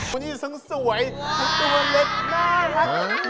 ตัวนี้สังสวยตัวเล็กน่ารัก